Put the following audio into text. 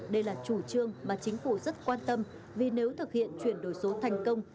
đây là chủ trương mà chính phủ rất quan tâm vì nếu thực hiện chuyển đổi số thành công